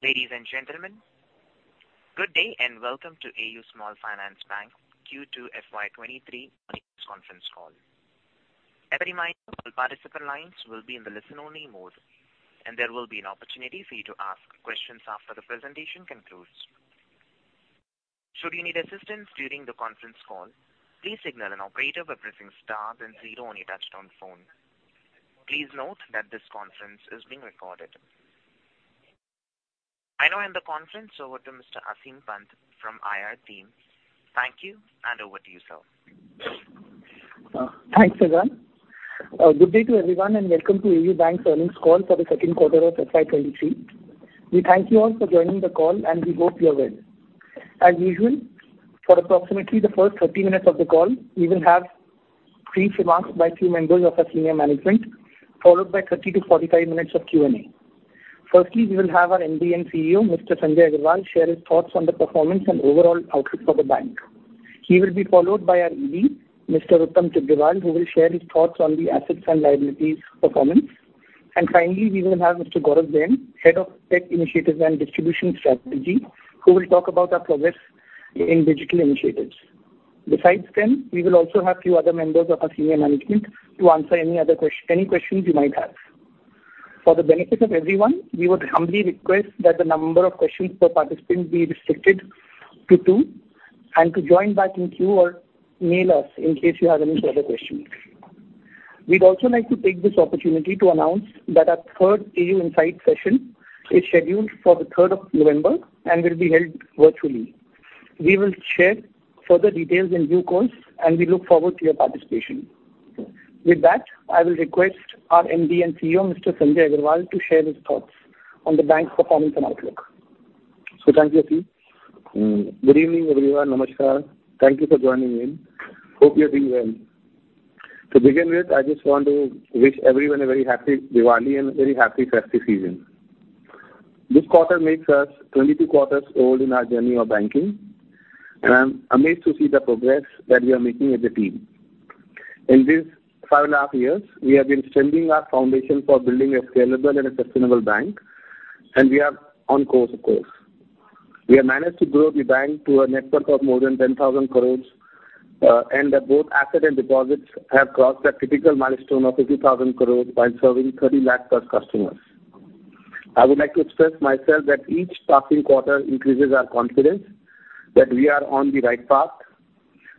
Ladies and gentlemen, good day and welcome to AU Small Finance Bank Q2 FY23 Earnings Conference Call. As a reminder, all participant lines will be in the listen-only mode, and there will be an opportunity for you to ask questions after the presentation concludes. Should you need assistance during the conference call, please signal an operator by pressing star then zero on your touchtone phone. Please note that this conference is being recorded. I now hand the conference over to Mr. Aseem Pant from IR team. Thank you, and over to you, sir. Thanks, Faizan. Good day to everyone, and welcome to AU Bank earnings call for the second quarter of FY 2023. We thank you all for joining the call, and we hope you are well. As usual, for approximately the first 30 minutes of the call, we will have brief remarks by few members of our senior management, followed by 30-45 minutes of Q&A. Firstly, we will have our MD and CEO, Mr. Sanjay Agarwal, share his thoughts on the performance and overall outlook for the bank. He will be followed by our ED, Mr. Uttam Tibrewal, who will share his thoughts on the assets and liabilities performance. Finally, we will have Mr. Gaurav Jain, head of tech initiatives and distribution strategy, who will talk about our progress in digital initiatives. Besides them, we will also have few other members of our senior management to answer any other questions you might have. For the benefit of everyone, we would humbly request that the number of questions per participant be restricted to two and to join back in queue or mail us in case you have any further questions. We'd also like to take this opportunity to announce that our third AU Insight session is scheduled for the third of November and will be held virtually. We will share further details in due course, and we look forward to your participation. With that, I will request our MD and CEO, Mr. Sanjay Agarwal, to share his thoughts on the bank's performance and outlook. Thank you, Aseem. Good evening, everyone. Namaskar. Thank you for joining in. Hope you are doing well. To begin with, I just want to wish everyone a very happy Diwali and very happy festive season. This quarter makes us 22 quarters old in our journey of banking, and I'm amazed to see the progress that we are making as a team. In these five and a half years, we have been strengthening our foundation for building a scalable and a sustainable bank, and we are on course, of course. We have managed to grow the bank to a net worth of more than 10,000 crores, and both asset and deposits have crossed that critical milestone of 50,000 crores while serving 30 lakh-plus customers. I would like to express myself that each passing quarter increases our confidence that we are on the right path,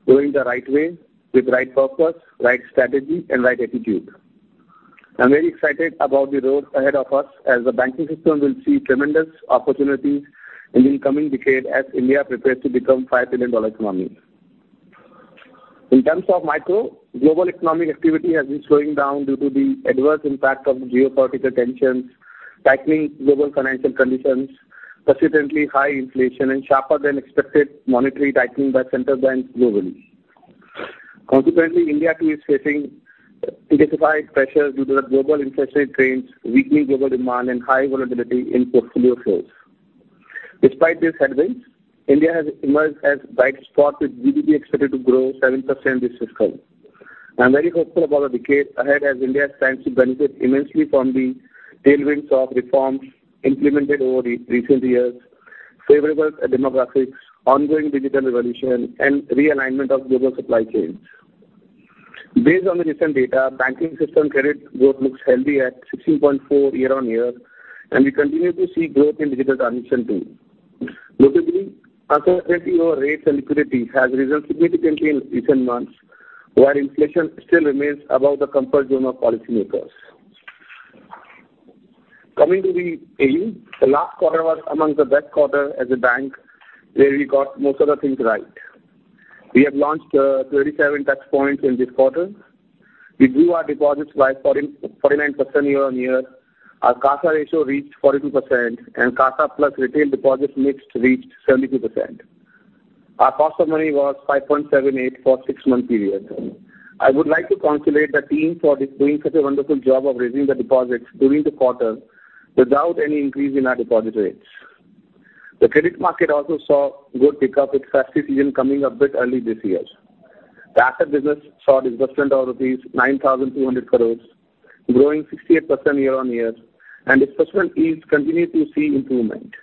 going the right way with right purpose, right strategy and right attitude. I'm very excited about the road ahead of us as the banking system will see tremendous opportunities in the incoming decade as India prepares to become $5 trillion economy. In terms of macro, global economic activity has been slowing down due to the adverse impact of geopolitical tensions, tightening global financial conditions, persistently high inflation and sharper than expected monetary tightening by central banks globally. Consequently, India too is facing intensified pressure due to the global interest rate trends, weakening global demand and high volatility in portfolio flows. Despite these headwinds, India has emerged as a bright spot with GDP expected to grow 7% this fiscal. I'm very hopeful about the decade ahead as India stands to benefit immensely from the tailwinds of reforms implemented over recent years, favorable demographics, ongoing digital revolution and realignment of global supply chains. Based on the recent data, banking system credit growth looks healthy at 16.4 year-on-year, and we continue to see growth in digital transmission too. Notably, uncertainty over rates and liquidity has risen significantly in recent months, while inflation still remains above the comfort zone of policymakers. Coming to the AU. The last quarter was among the best quarter as a bank where we got most of the things right. We have launched 37 touch points in this quarter. We grew our deposits by 49% year-on-year. Our CASA ratio reached 42%, and CASA plus retail deposits mix reached 72%. Our cost of money was 5.78 for 6-month period. I would like to congratulate the team for doing such a wonderful job of raising the deposits during the quarter without any increase in our deposit rates. The credit market also saw good pickup with festive season coming a bit early this year. The asset business saw disbursement of 9,200 crore, growing 68% year-on-year, and disbursement fees continue to see improvement.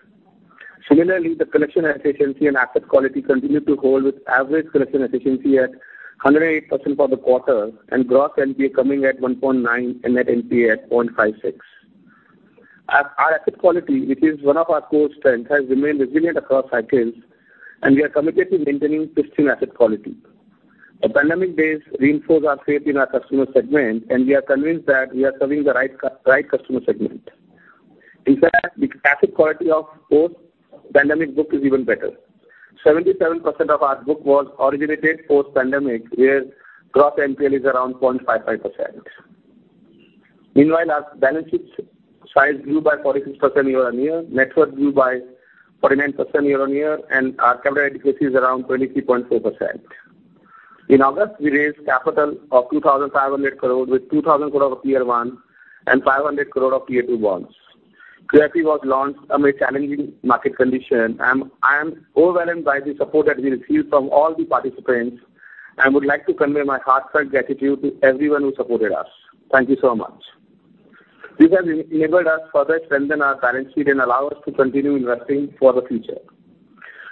Similarly, the collection efficiency and asset quality continue to hold with average collection efficiency at 108% for the quarter and gross NPA coming at 1.9 and net NPA at 0.56. Our asset quality, which is one of our core strengths, has remained resilient across cycles, and we are committed to maintaining pristine asset quality. The pandemic days reinforced our faith in our customer segment, and we are convinced that we are serving the right customer segment. In fact, the asset quality of post-pandemic book is even better. 77% of our book was originated post-pandemic, where gross NPL is around 0.55%. Meanwhile, our balance sheet size grew by 46% year-on-year, net worth grew by 49% year-on-year, and our capital adequacy is around 23.4%. In August, we raised capital of 2,500 crore with 2,000 crore of Tier 1 and 500 crore of Tier 2 bonds. QIP was launched amid challenging market conditions. I am overwhelmed by the support that we received from all the participants. I would like to convey my heartfelt gratitude to everyone who supported us. Thank you so much. This has enabled us to further strengthen our balance sheet and allow us to continue investing for the future.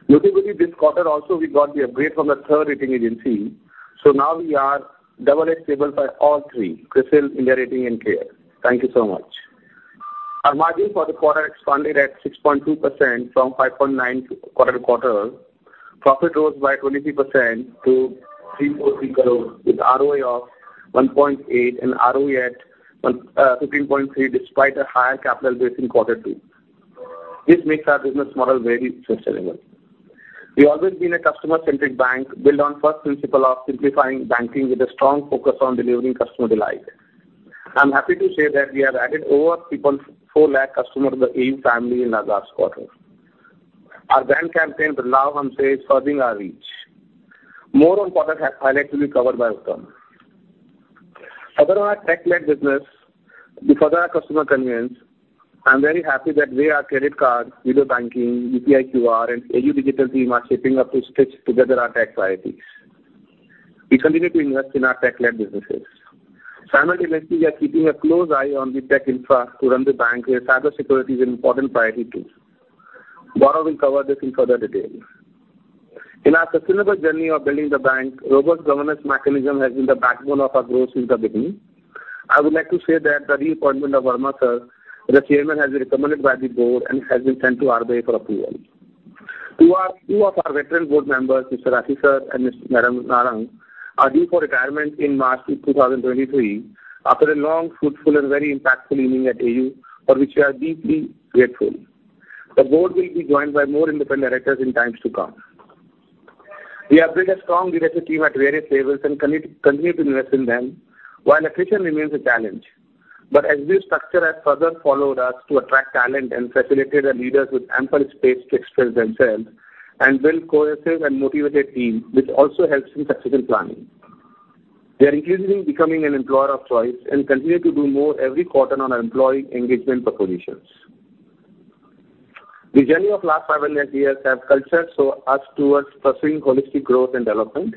Notably, this quarter also we got the upgrade from the third rating agency, so now we are AA Stable by all three, CRISIL, India Ratings and Research, and CARE Ratings. Thank you so much. Our margin for the quarter expanded at 6.2% from 5.9% quarter-over-quarter. Profit rose by 23% to 343 crore with ROA of 1.8% and ROE at 15.3% despite a higher capital base in quarter two. This makes our business model very sustainable. We've always been a customer-centric bank built on first principle of simplifying banking with a strong focus on delivering customer delight. I'm happy to say that we have added over 3.4 lakh customers to the AU family in the last quarter. Our brand campaign, Badlaav Humse Hai, is forging our reach. More on product has finally to be covered by Uttam. Other than our tech-led business, we further our customer convenience. I'm very happy that we are credit card, Video Banking, UPI QR, and AU digital team are shaping up to stitch together our tech priorities. We continue to invest in our tech-led businesses. Simultaneously, we are keeping a close eye on the tech infra to run the bank where cybersecurity is an important priority too. Bharat will cover this in further detail. In our sustainable journey of building the bank, robust governance mechanism has been the backbone of our growth since the beginning. I would like to say that the reappointment of Verma Sir, the chairman, has been recommended by the board and has been sent to RBI for approval. Two of our veteran board members, Mr. Rathi Sir and Mr. Narang, are due for retirement in March 2023 after a long, fruitful, and very impactful inning at AU, for which we are deeply grateful. The board will be joined by more independent directors in times to come. We have built a strong leadership team at various levels and continue to invest in them while attrition remains a challenge. AU structure has further allowed us to attract talent and facilitate our leaders with ample space to express themselves and build cohesive and motivated team, which also helps in succession planning. We are increasingly becoming an employer of choice and continue to do more every quarter on our employee engagement propositions. The journey of last five and a half years has cultured us towards pursuing holistic growth and development.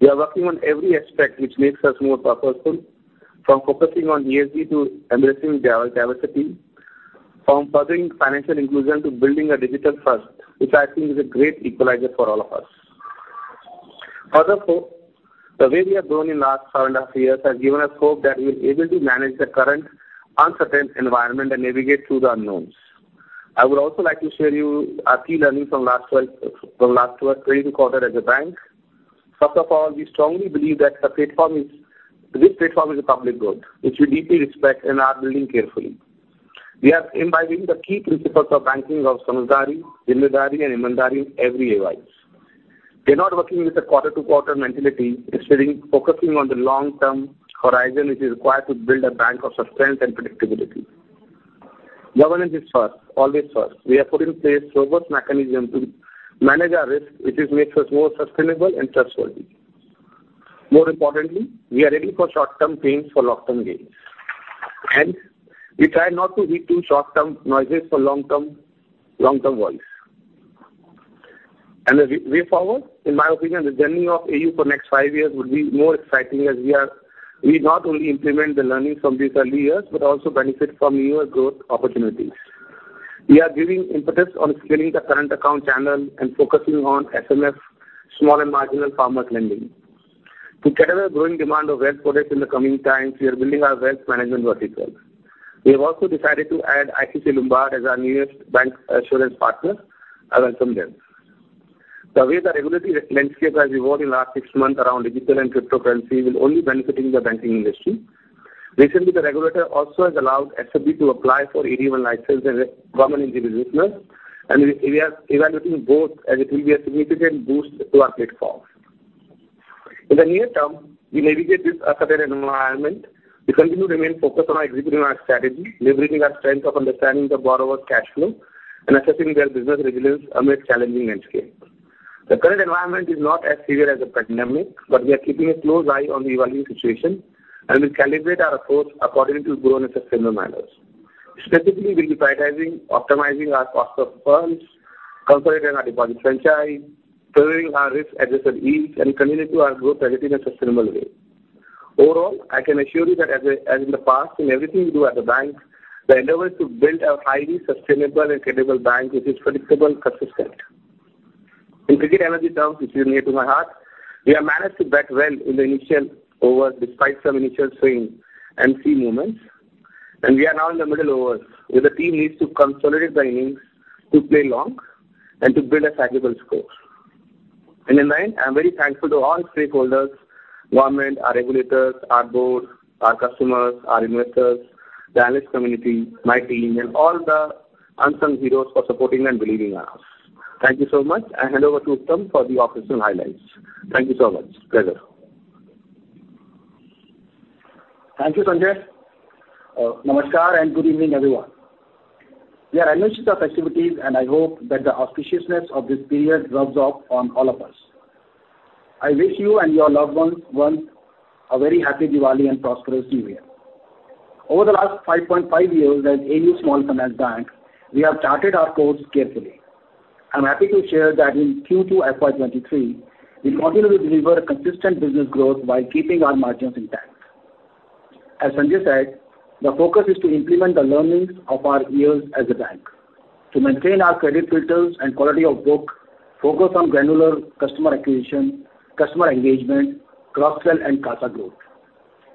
We are working on every aspect which makes us more purposeful, from focusing on ESG to embracing diversity, from furthering financial inclusion to building a digital first, which I think is a great equalizer for all of us. Furthermore, the way we have grown in last five and a half years has given us hope that we will be able to manage the current uncertain environment and navigate through the unknowns. I would also like to share with you our key learnings from last 12 trading quarters as a bank. First of all, we strongly believe that this platform is a public good, which we deeply respect and are building carefully. We are imbibing the key principles of banking of samjhdari, zimmedari, and imandari every day wise. We are not working with a quarter-to-quarter mentality, instead focusing on the long-term horizon which is required to build a bank of substance and predictability. Governance is first, always first. We are putting in place robust mechanism to manage our risk, which has made us more sustainable and trustworthy. More importantly, we are ready for short-term pains for long-term gains. We try not to heed to short-term noises for long-term voice. The way forward, in my opinion, the journey of AU for next five years will be more exciting as we are. We not only implement the learnings from these early years but also benefit from newer growth opportunities. We are giving impetus on scaling the current account channel and focusing on SMF, small and marginal farmers lending. To cater a growing demand of wealth products in the coming times, we are building our wealth management vertical. We have also decided to add ICICI Lombard as our newest bancassurance partner. I welcome them. The way the regulatory landscape has evolved in last six months around digital and cryptocurrency will only benefit the banking industry. Recently, the regulator also has allowed SFB to apply for AD-1 license as a scheduled commercial bank, and we are evaluating both as it will be a significant boost to our platform. In the near term, we navigate this uncertain environment. We continue to remain focused on executing our strategy, leveraging our strength of understanding the borrower's cash flow, and assessing their business resilience amid challenging landscape. The current environment is not as severe as the pandemic, but we are keeping a close eye on the evolving situation, and we calibrate our approach accordingly to grow in a sustainable manner. Specifically, we'll be prioritizing optimizing our cost of funds, consolidating our deposit franchise, covering our risk-adjusted yield, and continue to our growth positive and sustainable way. Overall, I can assure you that as a, as in the past, in everything we do at the bank, the endeavor is to build a highly sustainable and credible bank which is predictable, consistent. In cricket energy terms, which is near to my heart, we have managed to bat well in the initial overs despite some initial swing and free moments, and we are now in the middle overs, where the team needs to consolidate the innings to play long and to build a credible score. In the end, I am very thankful to all stakeholders, government, our regulators, our board, our customers, our investors, the analyst community, my team, and all the unsung heroes for supporting and believing in us. Thank you so much, and hand over to Uttam for the operational highlights. Thank you so much. Pleasure. Thank you, Sanjay. Namaskar and good evening, everyone. We are in the season of festivities, and I hope that the auspiciousness of this period rubs off on all of us. I wish you and your loved ones a very happy Diwali and prosperous new year. Over the last 5.5 years as AU Small Finance Bank, we have charted our course carefully. I'm happy to share that in Q2 FY23, we continue to deliver a consistent business growth while keeping our margins intact. As Sanjay said, the focus is to implement the learnings of our years as a bank. To maintain our credit filters and quality of book, focus on granular customer acquisition, customer engagement, cross-sell, and CASA growth.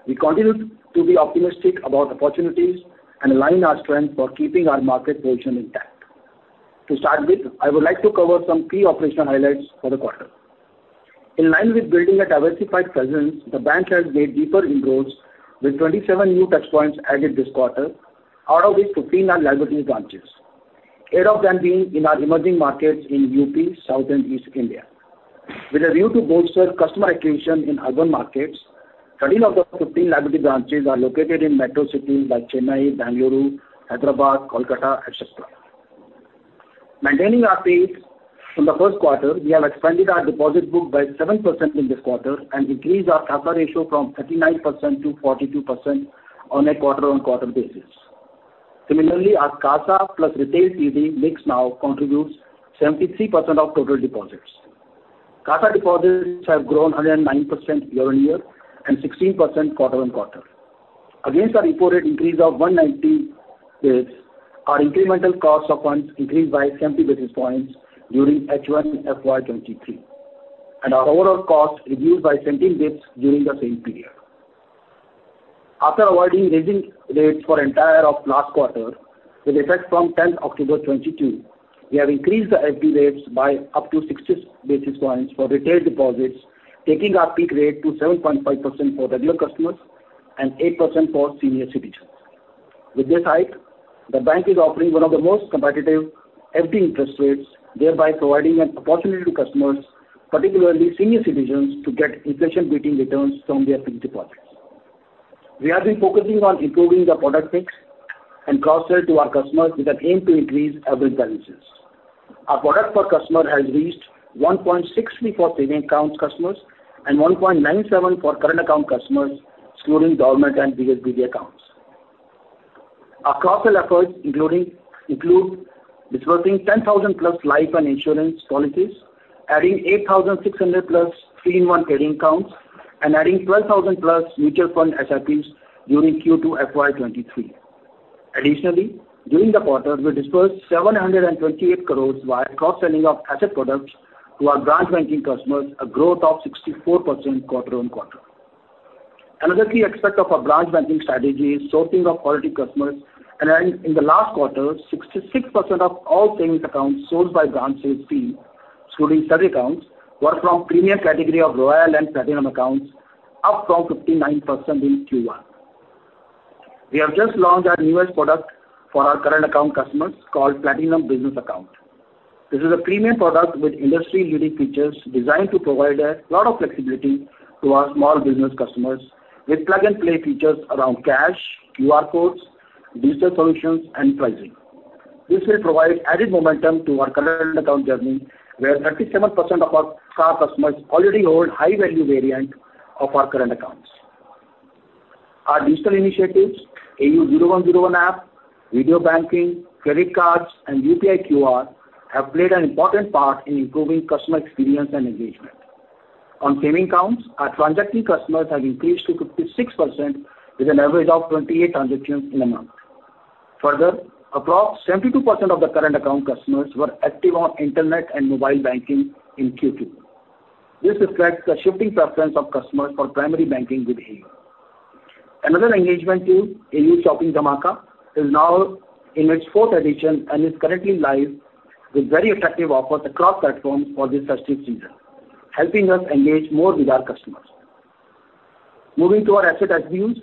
We continue to be optimistic about opportunities and align our strength for keeping our market position intact. To start with, I would like to cover some key operational highlights for the quarter. In line with building a diversified presence, the bank has made deeper inroads with 27 new touchpoints added this quarter, out of which 15 are liability branches. Eight of them being in our emerging markets in UP, South and East India. With a view to bolster customer acquisition in urban markets, 13 of the 15 liability branches are located in metro cities like Chennai, Bengaluru, Hyderabad, Kolkata, etc. Maintaining our pace from the first quarter, we have expanded our deposit book by 7% in this quarter and increased our CASA ratio from 39% to 42% on a quarter-on-quarter basis. Similarly, our CASA plus retail CD mix now contributes 73% of total deposits. CASA deposits have grown 109% year-on-year and 16% quarter-on-quarter. Against our reported increase of 190 basis points, our incremental cost of funds increased by 70 basis points during H1 FY 2023, and our overall cost reduced by 17 basis points during the same period. After avoiding raising rates for entire of last quarter, with effect from 10th October 2022, we have increased the FD rates by up to 60 basis points for retail deposits, taking our peak rate to 7.5% for regular customers and 8% for senior citizens. With this hike, the bank is offering one of the most competitive FD interest rates, thereby providing an opportunity to customers, particularly senior citizens, to get inflation-beating returns from their fixed deposits. We have been focusing on improving the product mix and cross-sell to our customers with an aim to increase average balances. Our product per customer has reached 1.64 payment accounts customers and 1.97 for current account customers, excluding government and BSBD accounts. Our cross-sell efforts including disbursing 10,000+ life insurance policies, adding 8,600+ 3-in-1 Savings Accounts, and adding 12,000+ mutual fund SIPs during Q2 FY 2023. Additionally, during the quarter, we disbursed 728 crore via cross-selling of asset products to our branch banking customers, a growth of 64% quarter-on-quarter. Another key aspect of our branch banking strategy is sourcing of quality customers and adding in the last quarter, 66% of all savings accounts sourced by branch sales team, excluding salary accounts, were from premium category of Royale and Platinum accounts, up from 59% in Q1. We have just launched our newest product for our current account customers called AU Platinum Business Account. This is a premium product with industry-leading features designed to provide a lot of flexibility to our small business customers with plug-and-play features around cash, QR codes, digital solutions and pricing. This will provide added momentum to our current account journey, where 37% of our CASA customers already hold high-value variant of our current accounts. Our digital initiatives, AU 0101 app, video banking, credit cards, and UPI QR, have played an important part in improving customer experience and engagement. On savings accounts, our transacting customers have increased to 56% with an average of 28 transactions in a month. Further, across 72% of the current account customers were active on internet and mobile banking in Q2. This reflects the shifting preference of customers for primary banking behavior. Another engagement tool, AU Shopping Dhamaka, is now in its fourth edition and is currently live with very attractive offers across platforms for this festive season, helping us engage more with our customers. Moving to our asset side views,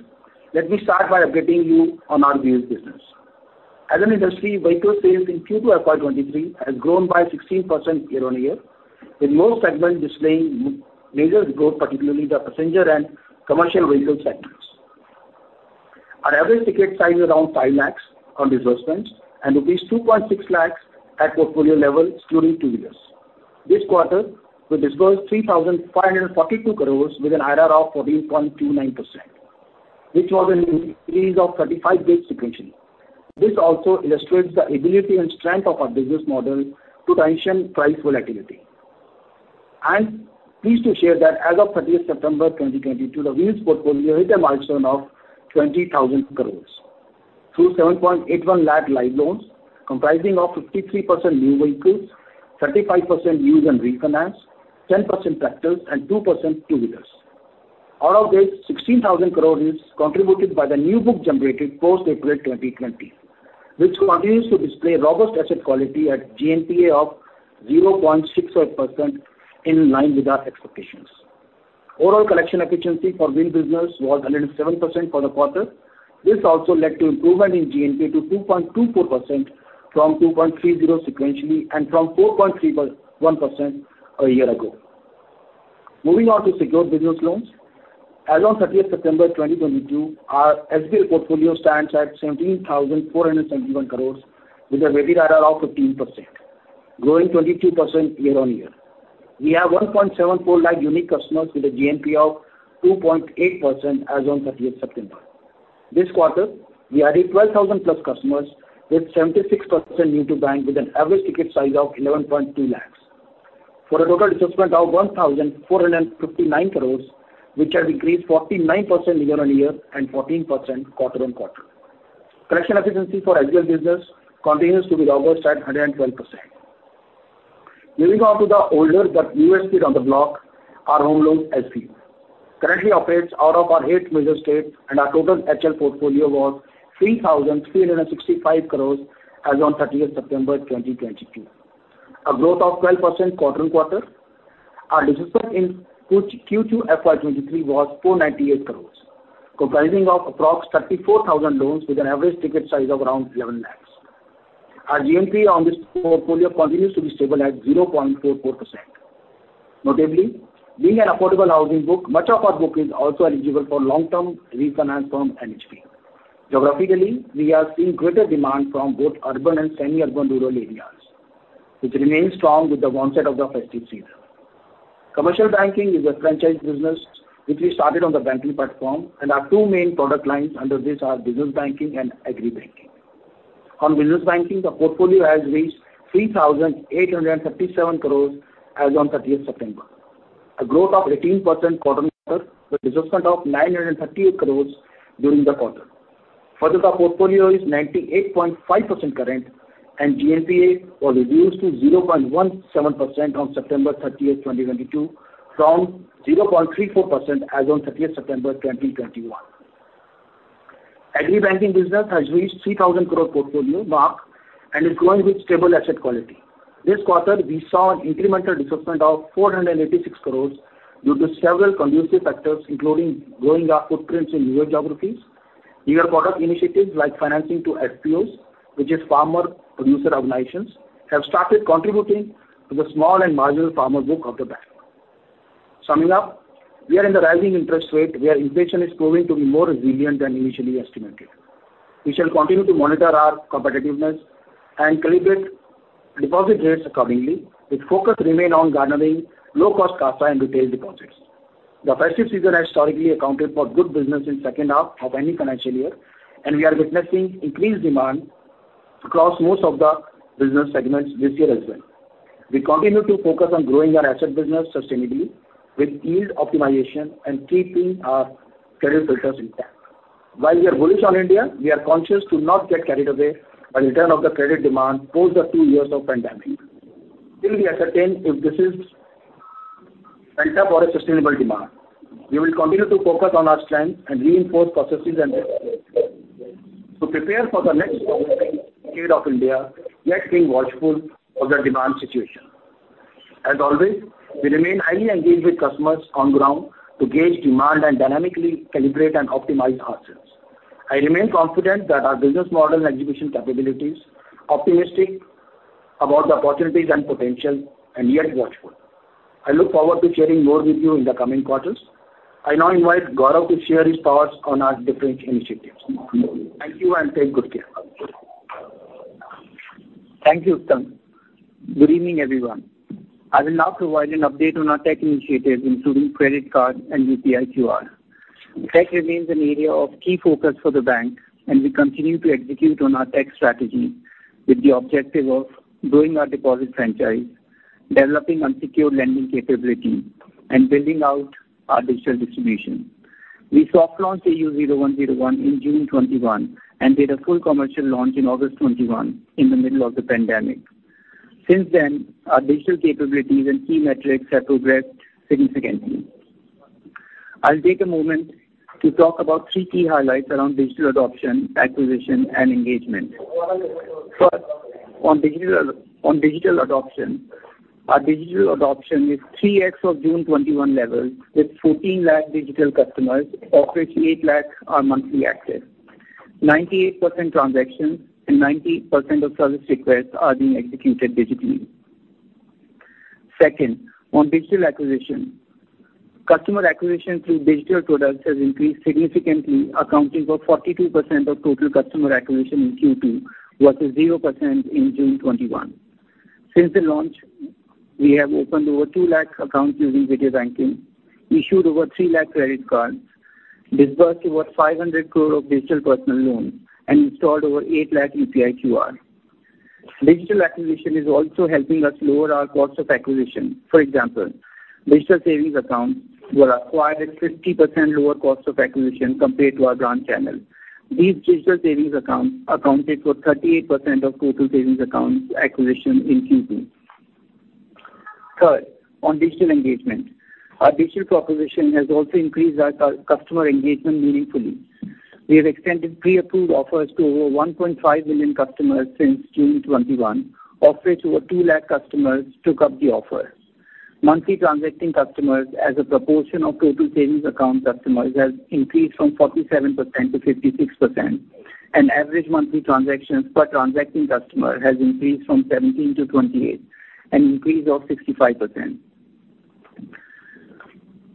let me start by updating you on our Wheels business. As an industry, vehicle sales in Q2 FY 2023 has grown by 16% year-on-year, with most segments displaying major growth, particularly the passenger and commercial vehicle segments. Our average ticket size around 5 lakhs on disbursements and it is rupees 2.6 lakhs at portfolio level, excluding two-wheelers. This quarter, we disbursed 3,542 crores with an IRR of 14.29%, which was an increase of 35 basis points sequentially. This also illustrates the ability and strength of our business model to cushion price volatility. I'm pleased to share that as of 30th September 2022, the Wheels portfolio hit a milestone of 20,000 crore. Through 7.81 lakh live loans comprising of 53% new vehicles, 35% used and refinance, 10% tractors and 2% two-wheelers. Out of this, 16,000 crore is contributed by the new book generated post April 2020, which continues to display robust asset quality at GNPA of 0.65% in line with our expectations. Overall collection efficiency for Wheels business was 107% for the quarter. This also led to improvement in GNPA to 2.24% from 2.30% sequentially and from 4.31% a year ago. Moving on to secured business loans. As on 30 September 2022, our SBL portfolio stands at 17,471 crore with a weighted IRR of 15%, growing 22% year-on-year. We have 1.74 lakh unique customers with a GNPA of 2.8% as on 30 September. This quarter, we added 12,000+ customers with 76% new to bank with an average ticket size of 11.2 lakh for a total disbursement of 1,459 crore, which had increased 49% year-on-year and 14% quarter-on-quarter. Collection efficiency for SBL business continues to be robust at 112%. Moving on to the older but newest kid on the block, our home loans SBU. Currently operates out of our eight major states, and our total HL portfolio was 3,365 crores as on 30th September 2022, a growth of 12% quarter-on-quarter. Our disbursement in Q2 FY23 was 498 crores, comprising of approx 34,000 loans with an average ticket size of around 300 lakhs. Our GNPA on this portfolio continues to be stable at 0.44%. Notably, being an affordable housing book, much of our book is also eligible for long-term refinance from NHB. Geographically, we have seen greater demand from both urban and semi-urban rural areas, which remains strong with the onset of the festive season. Commercial banking is a franchise business which we started on the banking platform, and our two main product lines under this are business banking and agri banking. On business banking, the portfolio has reached 3,837 crores as on 30th September, a growth of 18% quarter-on-quarter, with disbursement of 938 crores during the quarter. Further, the portfolio is 98.5% current and GNPA was reduced to 0.17% on September 30, 2022, from 0.34% as on 30th September 2021. Agri banking business has reached 3,000 crore portfolio mark and is growing with stable asset quality. This quarter, we saw an incremental disbursement of 486 crores due to several conducive factors, including growing our footprints in newer geographies. New product initiatives like financing to FPOs, which is Farmer Producer Organizations, have started contributing to the small and marginal farmer book of the bank. Summing up, we are in the rising interest rate where inflation is proving to be more resilient than initially estimated. We shall continue to monitor our competitiveness and calibrate deposit rates accordingly, with focus remain on garnering low cost CASA and retail deposits. The festive season has historically accounted for good business in second half of any financial year, and we are witnessing increased demand across most of the business segments this year as well. We continue to focus on growing our asset business sustainably with yield optimization and keeping our credit filters intact. While we are bullish on India, we are conscious to not get carried away by return of the credit demand post the two years of pandemic. Till we ascertain if this is set up or a sustainable demand, we will continue to focus on our strength and reinforce processes and to prepare for the next decade of India, yet being watchful of the demand situation. As always, we remain highly engaged with customers on ground to gauge demand and dynamically calibrate and optimize ourselves. I remain confident that our business model and execution capabilities, optimistic about the opportunities and potential, and yet watchful. I look forward to sharing more with you in the coming quarters. I now invite Gaurav to share his thoughts on our different initiatives. Thank you and take good care. Thank you, Uttam. Good evening, everyone. I will now provide an update on our tech initiatives including credit cards and UPI QR. Tech remains an area of key focus for the bank, and we continue to execute on our tech strategy with the objective of growing our deposit franchise, developing unsecured lending capability, and building out our digital distribution. We soft launched AU 0101 in June 2021, and did a full commercial launch in August 2021 in the middle of the pandemic. Since then, our digital capabilities and key metrics have progressed significantly. I'll take a moment to talk about three key highlights around digital adoption, acquisition, and engagement. First, on digital adoption. Our digital adoption is 3x of June 2021 levels, with 14 lakh digital customers, of which 8 lakh are monthly active. 98% of transactions and 90% of service requests are being executed digitally. Second, on digital acquisition. Customer acquisition through digital products has increased significantly, accounting for 42% of total customer acquisition in Q2 versus 0% in June 2021. Since the launch, we have opened over 2 lakh accounts using Video Banking, issued over 3 lakh Credit Cards, disbursed over 500 crore of digital Personal Loans, and installed over 8 lakh UPI QR. Digital acquisition is also helping us lower our costs of acquisition. For example, digital savings accounts were acquired at 50% lower cost of acquisition compared to our branch channel. These digital savings accounts accounted for 38% of total savings accounts acquisition in Q2. Third, on digital engagement. Our digital proposition has also increased our customer engagement meaningfully. We have extended pre-approved offers to over 1.5 million customers since June 2021, of which over 2 lakh customers took up the offer. Monthly transacting customers as a proportion of total savings account customers has increased from 47% to 56%, and average monthly transactions per transacting customer has increased from 17 to 28, an increase of 65%.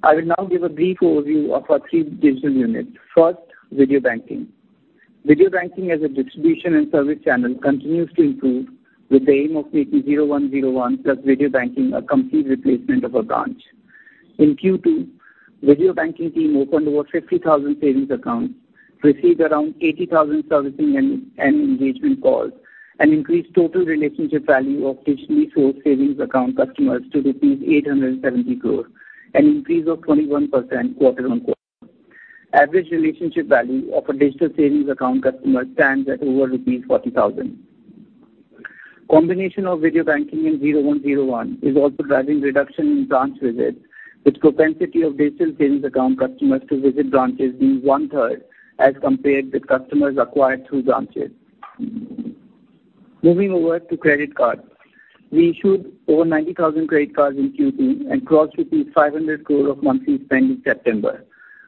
I will now give a brief overview of our three digital units. First, video banking. Video banking as a distribution and service channel continues to improve with the aim of making 0101 plus video banking a complete replacement of a branch. In Q2, Video Banking team opened over 50,000 savings accounts, received around 80,000 servicing and engagement calls, and increased total relationship value of digitally sourced savings account customers to rupees 870 crore, an increase of 21% quarter-on-quarter. Average relationship value of a digital savings account customer stands at over rupees 40,000. Combination of Video Banking and AU 0101 is also driving reduction in branch visits, with propensity of digital savings account customers to visit branches being one-third as compared with customers acquired through branches. Moving over to Credit Cards. We issued over 90,000 Credit Cards in Q2 and crossed rupees 500 crore of monthly spend in September.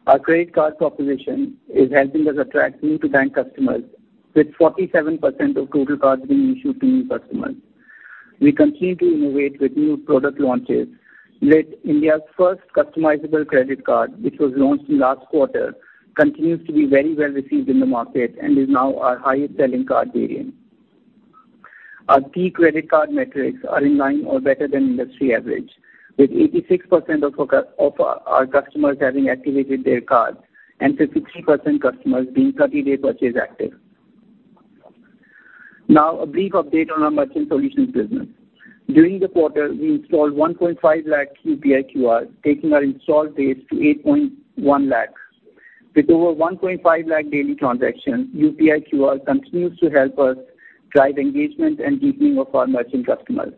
Our Credit Card proposition is helping us attract new-to-bank customers, with 47% of total cards being issued to new customers. We continue to innovate with new product launches, with India's first customizable credit card, which was launched in last quarter, continues to be very well received in the market and is now our highest selling card variant. Our key credit card metrics are in line or better than industry average, with 86% of our customers having activated their cards and 53% customers being thirty-day purchase active. Now, a brief update on our merchant solutions business. During the quarter, we installed 1.5 lakh UPI QR, taking our installed base to 8.1 lakhs. With over 1.5 lakh daily transactions, UPI QR continues to help us drive engagement and deepening of our merchant customers.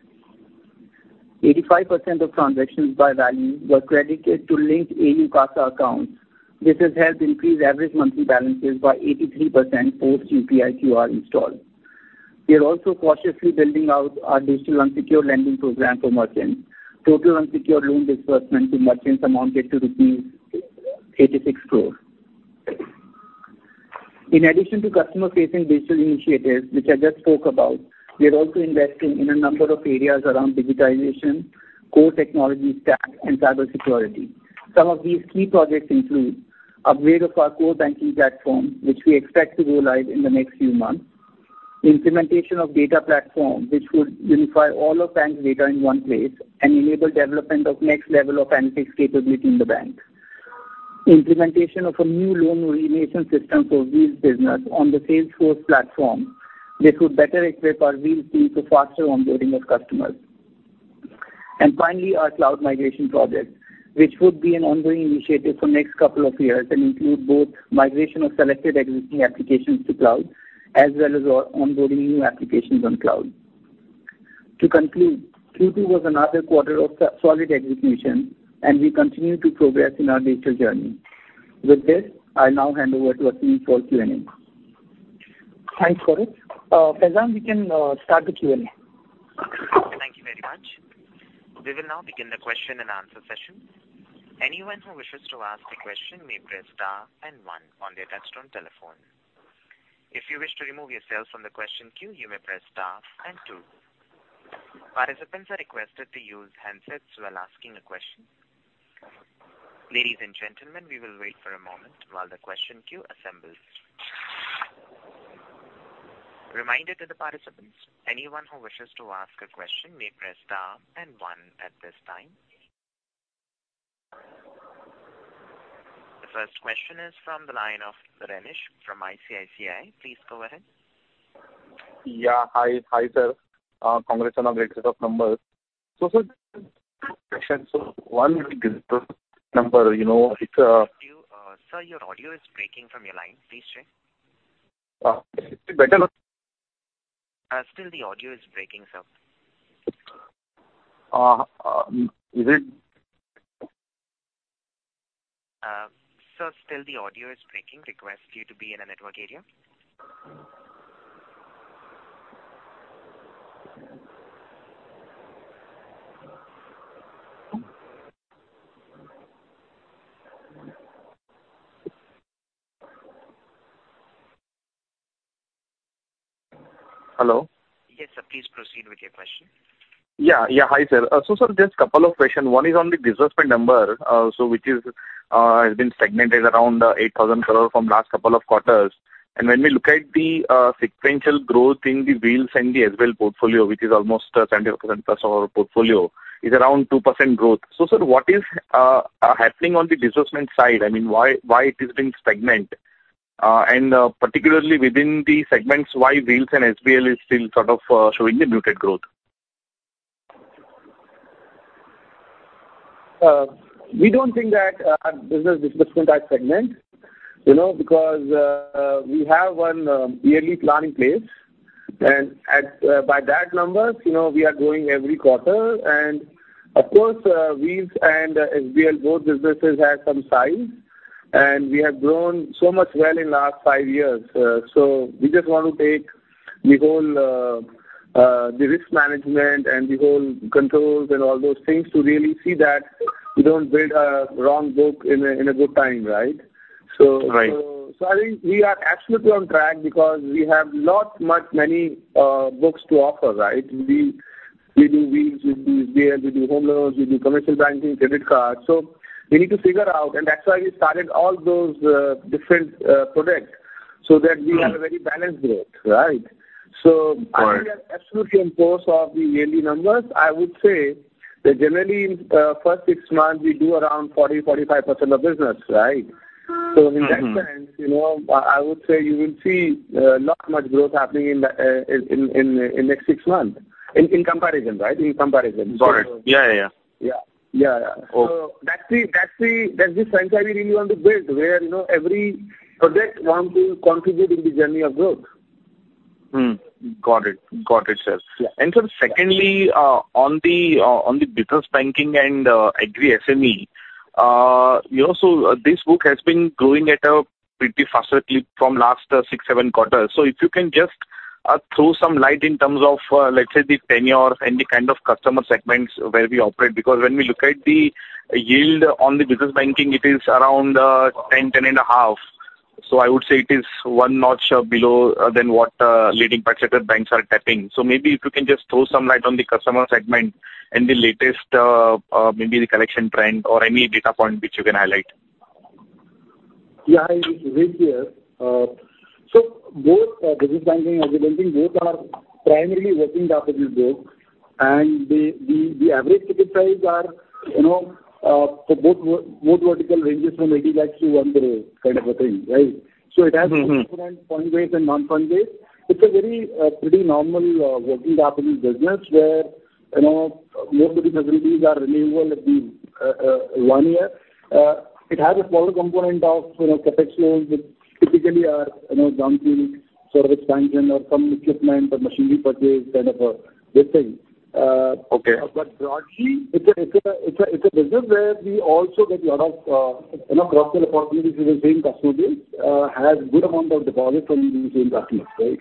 85% of transactions by value were credited to linked AU CASA accounts. This has helped increase average monthly balances by 83% post UPI QR install. We are also cautiously building out our digital unsecured lending program for merchants. Total unsecured loan disbursement to merchants amounted to rupees 86 crore. In addition to customer-facing digital initiatives, which I just spoke about, we are also investing in a number of areas around digitization, core technology stack, and cybersecurity. Some of these key projects include upgrade of our core banking platform, which we expect to go live in the next few months. Implementation of data platform, which would unify all of bank's data in one place and enable development of next level of analytics capability in the bank. Implementation of a new loan origination system for Wheels business on the Salesforce platform. This would better equip our Wheels team to faster onboarding of customers. Finally, our cloud migration project, which would be an ongoing initiative for next couple of years and include both migration of selected existing applications to cloud, as well as onboarding new applications on cloud. To conclude, Q2 was another quarter of solid execution, and we continue to progress in our digital journey. With this, I'll now hand over to our team for Q&A. Thanks, Gaurav. Faizan, we can start the Q&A. Thank you very much. We will now begin the question and answer session. Anyone who wishes to ask a question may press star and one on their touch-tone telephone. If you wish to remove yourself from the question queue, you may press star and two. Participants are requested to use handsets while asking a question. Ladies and gentlemen, we will wait for a moment while the question queue assembles. Reminder to the participants, anyone who wishes to ask a question may press star and one at this time. The first question is from the line of Rajniesh from ICICI. Please go ahead. Yeah. Hi. Hi, sir. Congratulations on numbers. One number, you know, it's Sir, your audio is breaking from your line. Please check. Is it better now? Still the audio is breaking, sir. Is it? Sir, still the audio is breaking. Request you to be in a network area. Hello? Yes, sir. Please proceed with your question. Yeah. Yeah. Hi, sir. sir, just couple of question. One is on the disbursement number, so which is, has been stagnated around 8,000 crore from last couple of quarters. When we look at the sequential growth in the Wheels and the SBL portfolio, which is almost 70%+ of our portfolio, is around 2% growth. Sir, what is happening on the disbursement side? I mean, why it is being stagnant? Particularly within the segments, why Wheels and SBL is still sort of showing the muted growth? We don't think that our business disbursement are stagnant, you know, because we have one yearly plan in place, and by that numbers, you know, we are growing every quarter. Of course, Wheels and SBL, both businesses have some size, and we have grown so much well in last five years. We just want to take the whole risk management and the whole controls and all those things to really see that we don't build a wrong book in a good time, right? I think we are absolutely on track because we have not many books to offer, right? We do Wheels, we do SBL, we do Home Loans, we do Commercial Banking, Credit Cards. We need to figure out, and that's why we started all those different products so that we have a very balanced growth, right? Right. I think we are absolutely on course of the yearly numbers. I would say that generally in first six months, we do around 40-45% of business, right? Mm-hmm. In that sense, you know, I would say you will see not much growth happening in the next six months. In comparison, right? In comparison. Got it. Yeah, yeah. Yeah. Yeah. Okay. That's the franchise we really want to build where, you know, every project want to contribute in the journey of growth. Got it, sir. Yeah. Sir, secondly, on the business banking and Agri SME, you know, this book has been growing at a pretty faster clip from last 6-7 quarters. If you can just throw some light in terms of, let's say, the tenure and the kind of customer segments where we operate. Because when we look at the yield on the business banking, it is around 10-10.5%. I would say it is one notch below than what leading private sector banks are tapping. Maybe if you can just throw some light on the customer segment and the latest, maybe the collection trend or any data point which you can highlight. Yeah, Vivek here. Both business banking and agriculture banking, both are primarily working capital book. The average ticket size are, you know, for both vertical ranges from 80 lakhs to 1 crore kind of a thing, right? Mm-hmm. It has different fund-based and non-fund-based. It's a very pretty normal working capital business where, you know, most of the facilities are renewable every one year. It has a smaller component of, you know, CapEx loans, which typically are, you know, down payment sort of expansion or some equipment or machinery purchase kind of a good thing. Okay. Broadly, it's a business where we also get a lot of you know cross-sell opportunities with the same customer base, has good amount of deposits from these same customers, right?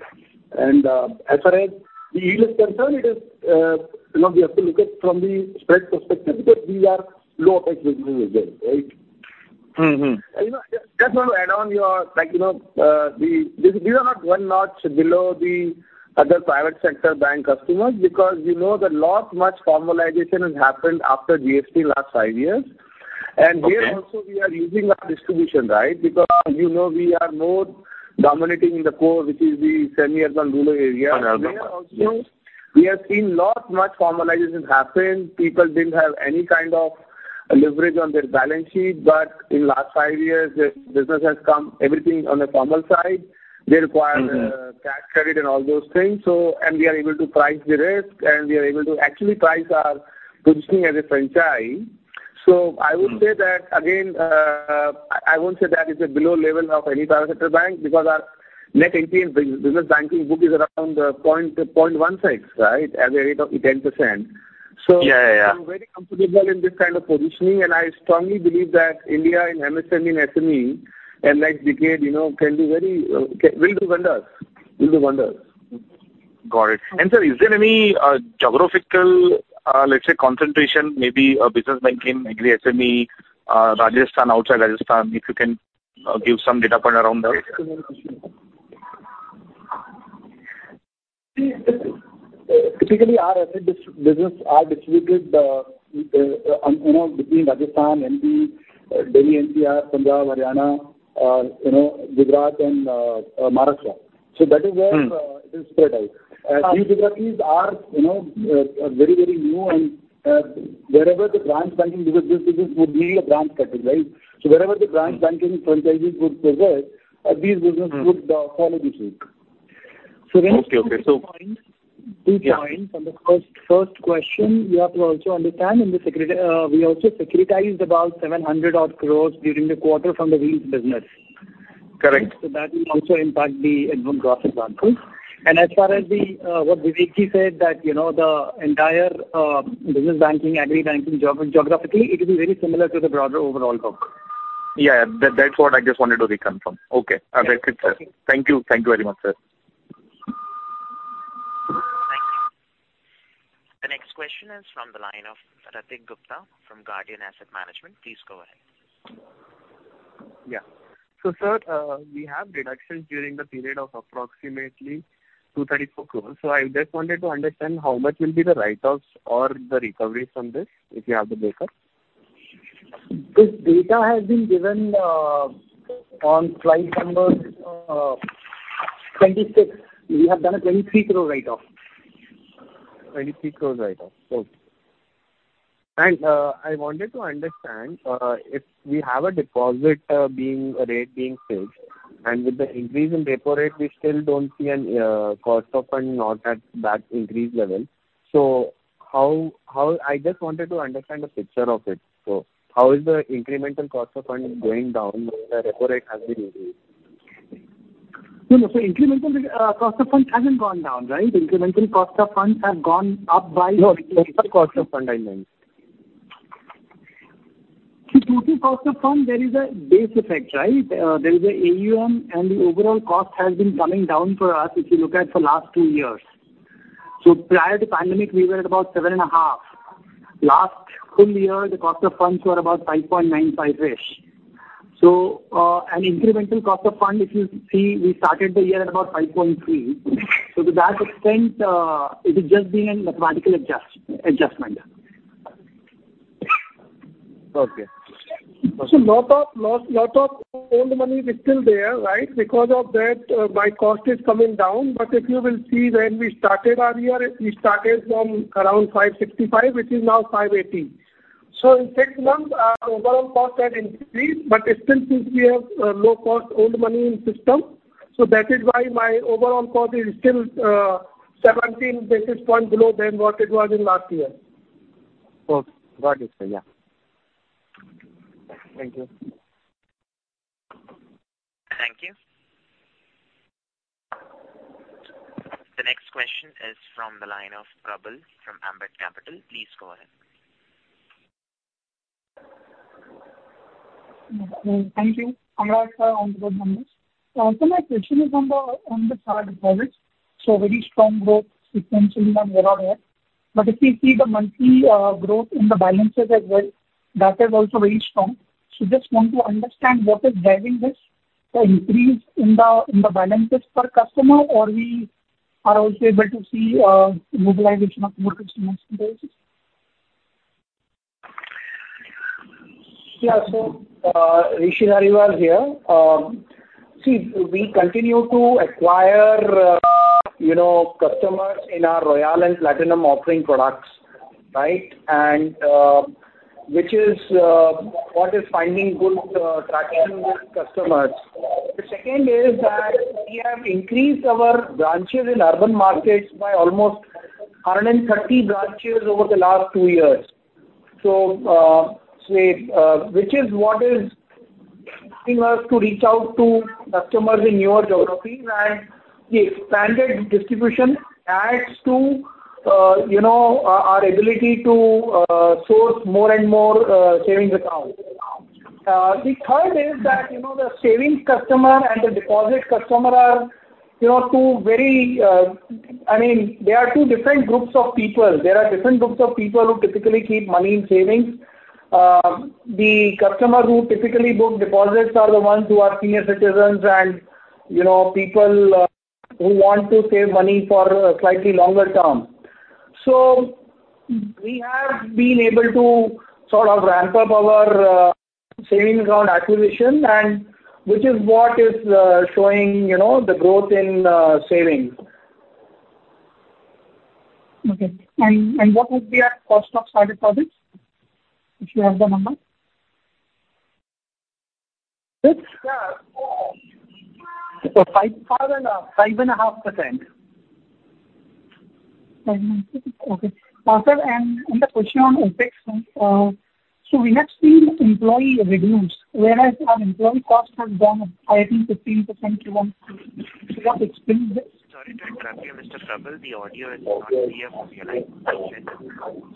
As far as the yield is concerned, it is you know we have to look at from the spread perspective because these are low-touch businesses as well, right? Mm-hmm. You know, just want to add on your, like, you know, these are not one notch below the other private sector bank customers because you know that a lot of formalization has happened after GST last five years. Okay. Here also we are using our distribution, right? Because, you know, we are more dominating in the core, which is the semi-urban, rural area. Urban. Yeah. There also, we have seen a lot more formalization happen. People didn't have any kind of leverage on their balance sheet, but in the last five years, the business has come, everything on the formal side. Mm-hmm. They require tax credit and all those things, so and we are able to price the risk, and we are able to actually price our positioning as a franchise. Mm. I would say that again, I won't say that it's below the level of any private sector bank because our net NPA in business banking book is around 0.16, right, as a rate of 10%. Yeah, yeah. I'm very comfortable in this kind of positioning, and I strongly believe that India in MSME and SME, the next decade, you know, will do wonders. Got it. Yeah. Sir, is there any geographical, let's say concentration, maybe business banking, Agri SME, Rajasthan, outside Rajasthan? If you can give some data point around that. Typically our SME business are distributed, you know, between Rajasthan, MP, Delhi NCR, Punjab, Haryana, you know, Gujarat and Maharashtra. That is where- Hmm. It is spread out. These geographies are, you know, very new and wherever the branch banking business, this business would need a branch category. Wherever the branch banking franchises would present, these business Hmm. would follow the suit. Okay. Let me just give you two points. Yeah. Two points. On the first question, you have to also understand we also securitized about 700 odd crore during the quarter from the Wheels business. Correct. That will also impact the advance growth as well. As far as what Vivek ji said that, you know, the entire business banking, agri banking geographically, it will be very similar to the broader overall book. Yeah. That's what I just wanted to reconfirm. Okay. Okay. That's it, sir. Thank you. Thank you very much, sir. Thank you. The next question is from the line of Ritik Gupta from Guardian Asset Management. Please go ahead. Sir, we have deductions during the period of approximately 234 crores. I just wanted to understand how much will be the write-offs or the recoveries from this, if you have the data. This data has been given on slide number 26. We have done a 23 crore write-off. 23 crore write-off. Okay. I wanted to understand if we have a deposit rate being fixed and with the increase in repo rate we still don't see a cost of fund not at that increased level. How I just wanted to understand the picture of it. How is the incremental cost of fund going down when the repo rate has been increased? No, no. Incremental cost of fund hasn't gone down, right? Incremental cost of funds have gone up by- No, total cost of funds, I meant. The total cost of fund, there is a base effect, right? There is an AUM, and the overall cost has been coming down for us if you look at the last two years. Prior to pandemic, we were at about 7.5%. Last full year, the cost of funds were about 5.95-ish%. An incremental cost of fund, if you see, we started the year at about 5.3%. To that extent, it has just been a mathematical adjustment. Okay. A lot of old money is still there, right? Because of that, my cost is coming down. If you will see when we started our year, we started from around 5.65%, which is now 5.80%. In six months, our overall cost had increased, but still since we have low cost old money in system, that is why my overall cost is still 17 basis points below than what it was in last year. Okay. Got it, sir. Yeah. Thank you. Thank you. The next question is from the line of Prabal from Ambit Capital. Please go ahead. Thank you. Congrats on the good numbers. Also my question is on the current deposits. Very strong growth sequentially month-on-month. If you see the monthly growth in the balances as well, that is also very strong. Just want to understand what is driving this, the increase in the balances per customer or we are also able to see mobilization of more customer deposits? Yeah. Rishi Dhariwal here. We continue to acquire, you know, customers in our Royale and Platinum offering products, right? Which is what is finding good traction with customers. The second is that we have increased our branches in urban markets by almost 130 branches over the last two years. Which is what is helping us to reach out to customers in newer geographies. The expanded distribution adds to, you know, our ability to source more and more savings accounts. The third is that, you know, the savings customer and the deposit customer are, you know, two very, I mean, they are two different groups of people. There are different groups of people who typically keep money in savings. The customer who typically book deposits are the ones who are senior citizens and, you know, people who want to save money for a slightly longer term. We have been able to sort of ramp up our savings account acquisition and which is what is showing, you know, the growth in savings. What would be our cost of current deposits, if you have the number? It's 5.5%. 5.5. Okay. Sir, and a question on OpEx. We have seen employees reduced, whereas our employee cost has gone up, I think, 15% Q-o-Q. What explains this? Sorry to interrupt you, Mr. Prabal. The audio is not clear from your line. Can you check and call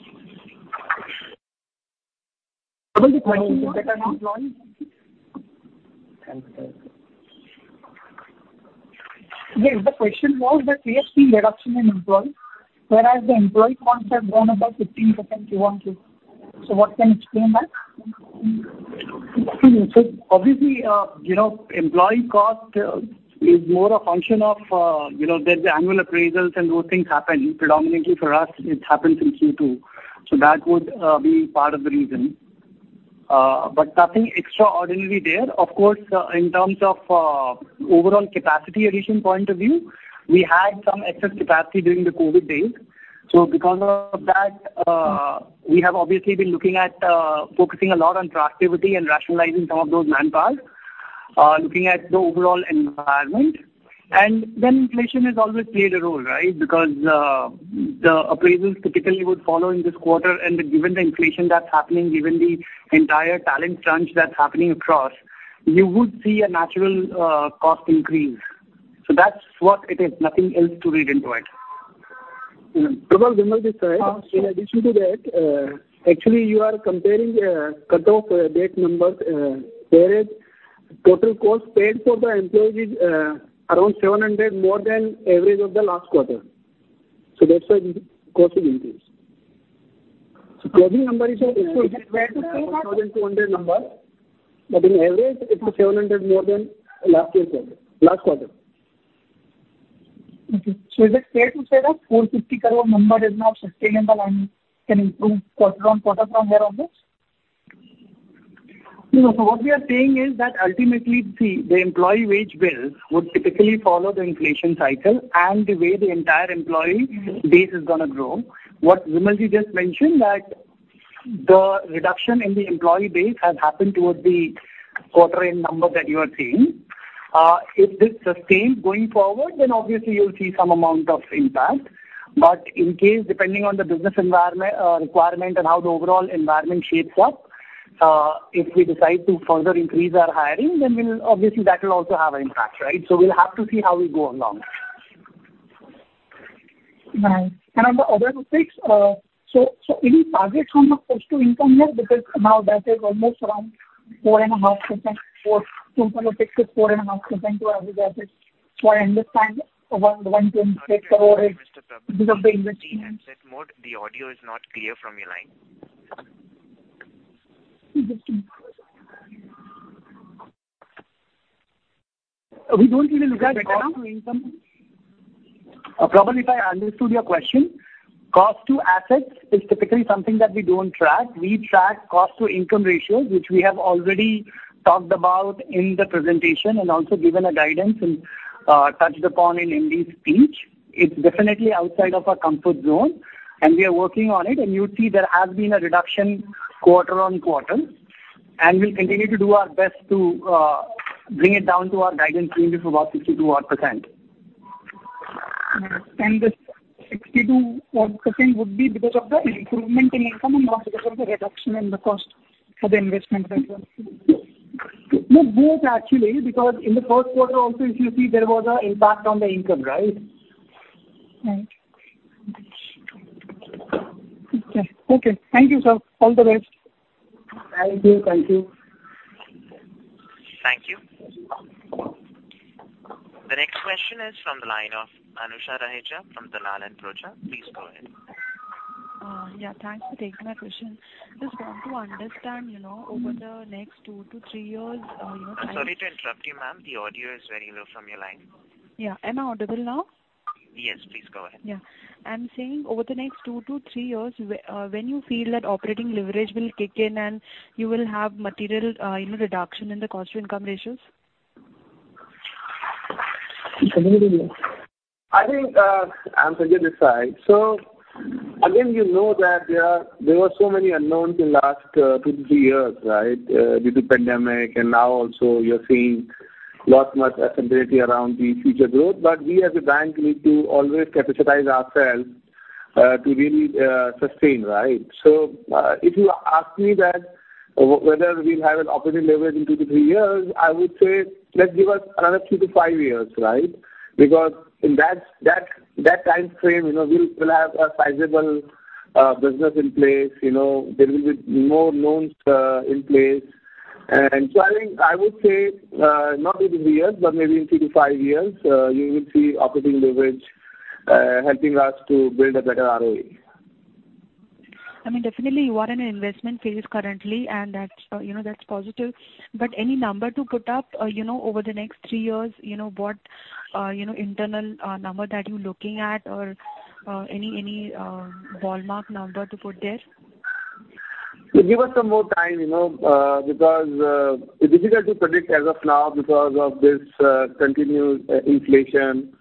us please? Prabal, the question was that we have seen reduction in employees, whereas the employee cost has gone up about 15% Q-o-Q. What can explain that? Obviously, you know, employee cost is more a function of, you know, there's the annual appraisals and those things happen. Predominantly for us, it happens in Q2. That would be part of the reason. But nothing extraordinary there. Of course, in terms of overall capacity addition point of view, we had some excess capacity during the COVID days. Because of that, we have obviously been looking at focusing a lot on productivity and rationalizing some of those manpower, looking at the overall environment. Then inflation has always played a role, right? Because the appraisals typically would follow in this quarter. Given the inflation that's happening, given the entire talent crunch that's happening across, you would see a natural cost increase. That's what it is. Nothing else to read into it. Prabal, Vimal here. Sure. In addition to that, actually you are comparing the cut-off date numbers. Whereas total cost paid for the employees is around 700 more than average of the last quarter. That's why the cost is increased. Closing number is a 1,200 number. In average it was 700 more than last year's quarter, last quarter. Okay. Is it fair to say that 450 crore number is now sustainable and can improve quarter-on-quarter from here onwards? No. What we are saying is that ultimately, see, the employee wage bill would typically follow the inflation cycle and the way the entire employee base is gonna grow. What Vimal just mentioned, that the reduction in the employee base has happened towards the quarter-end number that you are seeing. If this sustains going forward, then obviously you'll see some amount of impact. But in case, depending on the business environment, requirement and how the overall environment shapes up, if we decide to further increase our hiring, then we'll obviously that will also have an impact, right? We'll have to see how we go along. Right. On the other topics, so any target on the cost to income here? Because now that is almost around- 4.5%. 4.6%-4.5% for investment. Sorry to interrupt you, Mr. Prabal. Please speak in headset mode. The audio is not clear from your line. We don't really look at cost to income. Prabal, if I understood your question, cost to assets is typically something that we don't track. We track cost to income ratios, which we have already talked about in the presentation and also given a guidance and touched upon in MD's speech. It's definitely outside of our comfort zone, and we are working on it, and you see there has been a reduction quarter-on-quarter. We'll continue to do our best to bring it down to our guidance range of about 62 odd %. Right. This 62 odd percent would be because of the improvement in income and not because of the reduction in the cost for the investment that you are receiving. No, both actually, because in the first quarter also, if you see, there was an impact on the income, right? Right. Okay. Thank you, sir. All the best. Thank you. Thank you. Thank you. The next question is from the line of Anusha Raheja from Dalal & Broacha. Please go ahead. Yeah, thanks for taking my question. Just want to understand, you know, over the next 2-3 years, you know. I'm sorry to interrupt you, ma'am. The audio is very low from your line. Yeah. Am I audible now? Yes, please go ahead. Yeah. I'm saying over the next 2-3 years, when you feel that operating leverage will kick in and you will have material, you know, reduction in the cost to income ratios? I think I'm Sanjay Agarwal. Again, you know that there are, there were so many unknowns in last two to three years, right? Due to pandemic, and now also you're seeing lot more uncertainty around the future growth. We as a bank need to always capitalize ourselves to really sustain, right? If you ask me whether we'll have an operating leverage in two to three years, I would say let's give us another 2-5 years, right? Because in that timeframe, you know, we'll have a sizable business in place. You know, there will be more loans in place. I think I would say not in two years, but maybe in two to five years you will see operating leverage helping us to build a better ROE. I mean, definitely you are in an investment phase currently, and that's, you know, that's positive. Any number to put up, you know, over the next three years, you know, what, you know, internal, number that you're looking at or, any, ballpark number to put there? Give us some more time, you know, because it's difficult to predict as of now because of this continued inflation.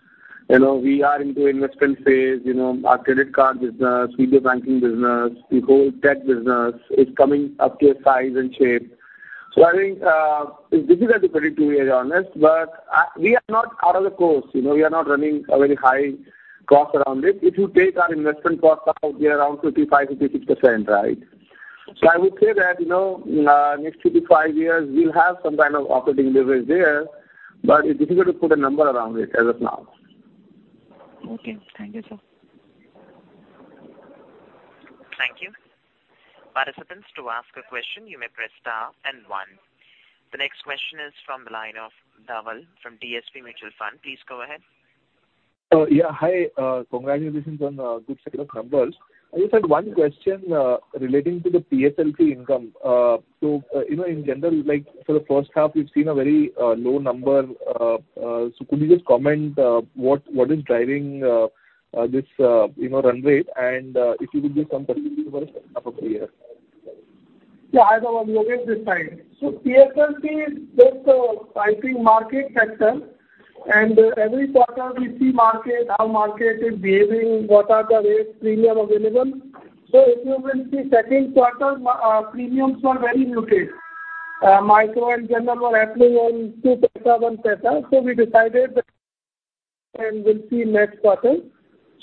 You know, we are into investment phase. You know, our credit card business, retail banking business, the whole tech business is coming up to a size and shape. I think it's difficult to predict, to be honest. We are not off course. You know, we are not running a very high cost around it. If you take our investment cost out, we are around 55-56%, right? I would say that, you know, next two to five years we'll have some kind of operating leverage there, but it's difficult to put a number around it as of now. Okay. Thank you, sir. Thank you. Participants, to ask a question, you may press star and one. The next question is from the line of Dhaval from DSP Mutual Fund. Please go ahead. Yeah. Hi. Congratulations on good set of numbers. I just had one question relating to the PSLC income. You know, in general, like for the first half, we've seen a very low number. Could you just comment what is driving this you know, run rate and if you could give some perspective for second half of the year? Yeah. Hi, Dhaval. Yogesh Jain. PSLC is just, I think, market factor, and every quarter we see market, how market is behaving, what are the rates premium available. If you will see second quarter, premiums were very muted. Micro and general were actually on two paisa, one paisa. We decided that and we'll see next quarter.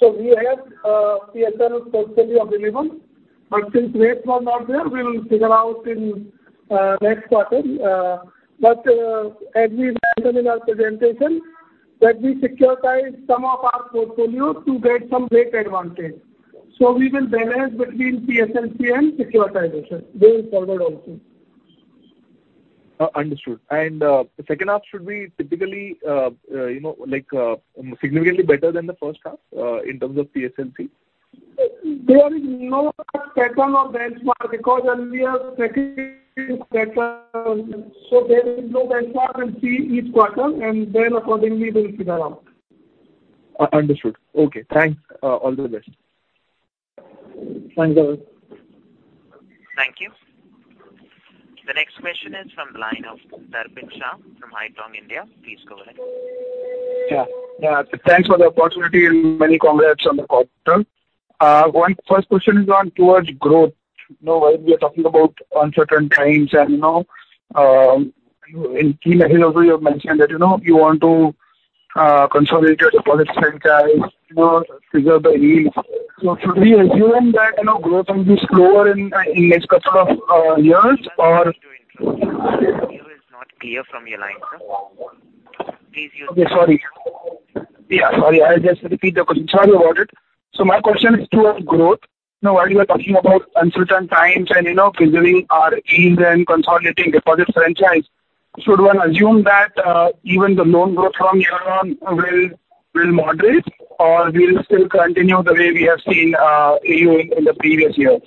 We have PSLC potentially available. Since rates were not there, we will figure out in next quarter. As we mentioned in our presentation that we securitize some of our portfolio to get some rate advantage. We will balance between PSLC and securitization going forward also. Understood. The second half should be typically, you know, like, significantly better than the first half in terms of PSLC? There is no pattern or benchmark because only a second quarter, so there is no benchmark. We'll see each quarter and then accordingly we'll figure out. Understood. Okay, thanks. All the best. Thanks, Dhaval. Thank you. The next question is from the line of Darpan Shah from Haitong India. Please go ahead. Yeah. Thanks for the opportunity and many congrats on the call today. My first question is on growth. You know, while we are talking about uncertain times and, you know, in key measures also you have mentioned that, you know, you want to consolidate your deposit franchise, you know, figure the yield. Should we assume that, you know, growth will be slower in the next couple of years or- I'm sorry to interrupt you. The audio is not clear from your line, sir. Please use- I'll just repeat the concern about it. My question is towards growth. You know, while you are talking about uncertain times and, you know, preserving our NIMs and consolidating deposit franchise, should one assume that even the loan growth from here on will moderate or will still continue the way we have seen, you know, in the previous years?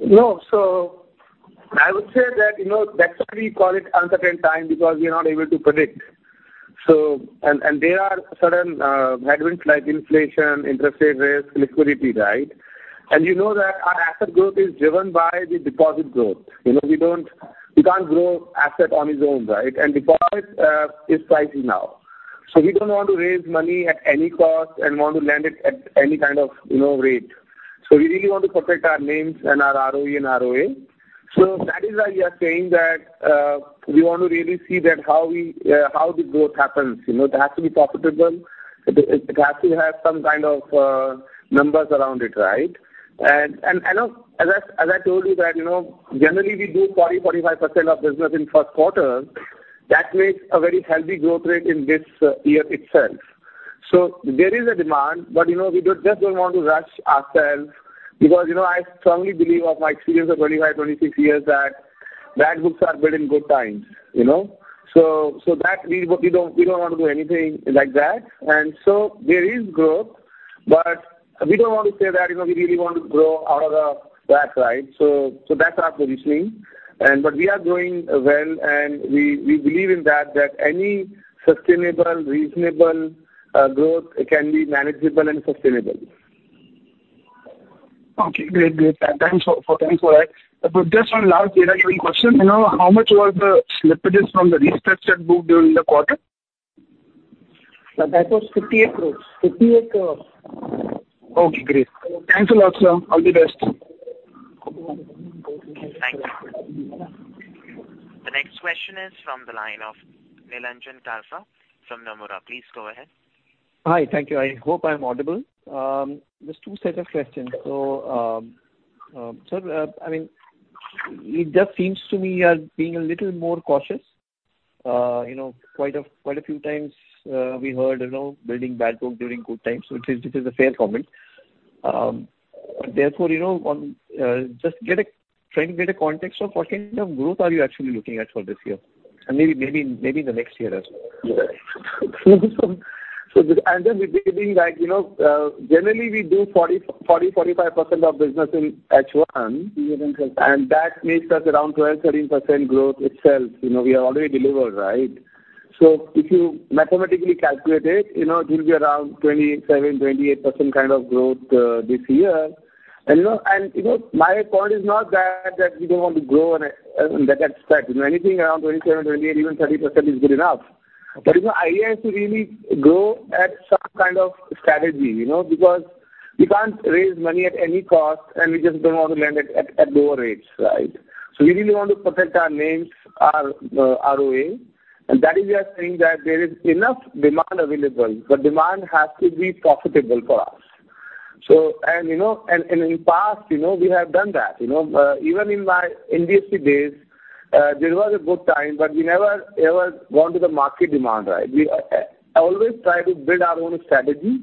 No. I would say that, you know, that's why we call it uncertain time because we are not able to predict. There are certain headwinds like inflation, interest rate risk, liquidity, right? You know that our asset growth is driven by the deposit growth. You know, we can't grow asset on its own, right? Deposit is pricey now. We don't want to raise money at any cost and want to lend it at any kind of, you know, rate. We really want to protect our NIMs and our ROE and ROA. That is why we are saying that we want to really see how the growth happens. You know, it has to be profitable. It has to have some kind of numbers around it, right? You know, as I told you that, you know, generally we do 40%-45% of business in first quarter. That makes a very healthy growth rate in this year itself. There is a demand. You know, we just don't want to rush ourselves because, you know, I strongly believe from my experience of 25-26 years that bad books are built in good times, you know. That we don't want to do anything like that. There is growth, but we don't want to say that, you know, we really want to grow out of that, right? That's our positioning, but we are growing well and we believe that any sustainable, reasonable growth can be manageable and sustainable. Okay, great. Thanks for that. Just one last data-driven question. You know how much was the slippages from the restructured book during the quarter? That was 58 crore. 58 crore. Okay, great. Thanks a lot, sir. All the best. Thank you. The next question is from the line of Nilanjan Karfa from Nomura. Please go ahead. Hi. Thank you. I hope I'm audible. There's two set of questions. I mean, it just seems to me you are being a little more cautious. You know, quite a few times, we heard, you know, building bad book during good times. It is a fair comment. Therefore, you know, trying to get a context of what kind of growth are you actually looking at for this year and maybe in the next year as well? We believe in like, you know, generally we do 40-45% of business in H1, and that makes us around 12-13% growth itself. You know, we have already delivered, right? If you mathematically calculate it, you know, it will be around 27-28% kind of growth this year. You know, my point is not that we don't want to grow and that aspect, you know, anything around 27-28% even 30% is good enough. You know, the idea is to really grow at some kind of strategy, you know, because we can't raise money at any cost and we just don't want to lend it at lower rates, right? We really want to protect our NIMs, our ROA, and that is we are saying that there is enough demand available, but demand has to be profitable for us. You know, in past, you know, we have done that. You know, even in my NBFC days, there was a good time, but we never ever gone to the market demand, right? We always try to build our own strategy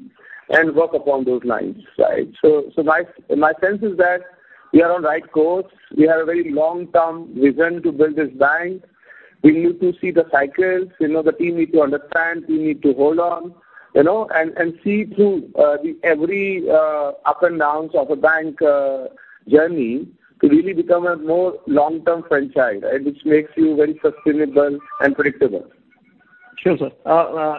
and work upon those lines, right? My sense is that we are on right course. We have a very long-term vision to build this bank. We need to see the cycles. You know, the team need to understand, we need to hold on, you know, and see through every up and downs of a bank journey to really become a more long-term franchise, right? Which makes you very sustainable and predictable. Sure, sir.